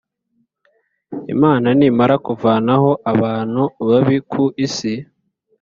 Imana nimara kuvanaho abantu babi ku isi